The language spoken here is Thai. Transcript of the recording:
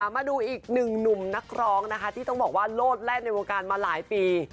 มาดูอีกหนึ่งหนุ่มนักร้องนะคะที่ต้องบอกว่าโลดแล่นในวงการมาหลายปี